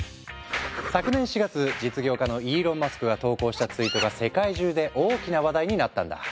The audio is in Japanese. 昨年４月実業家のイーロン・マスクが投稿したツイートが世界中で大きな話題になったんだ。